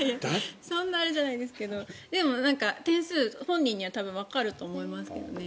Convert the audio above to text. そんなあれじゃないですけどでも、点数本人にはわかると思いますけどね。